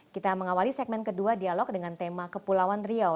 kita mengawali segmen kedua dialog dengan tema kepulauan riau